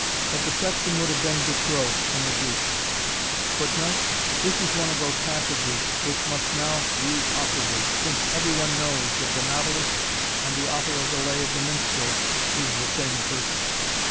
But the sexton would have been de trop in the group. [Footnote: This is one of those passages which must now read awkwardly, since every one knows that the Novelist and the author of the Lay of the Minstrel, is the same person.